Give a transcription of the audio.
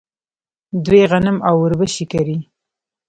دوی غنم او وربشې کري.